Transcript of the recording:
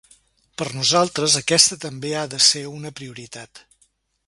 Per a nosaltres aquesta també ha de ser una prioritat.